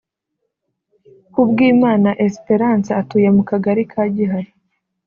Kubwimana Esperance atuye mu Kagari ka Gihara